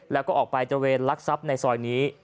แล้วก็ออกไปตระเวนลักทรัพย์ในซอยนี้